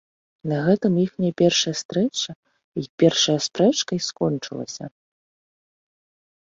На гэтым іхняя першая стрэча й першая спрэчка й скончылася.